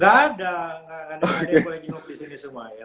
gak ada yang boleh jenguk disini semua ya